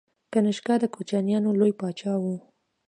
کنیشکا د کوشانیانو لوی پاچا و.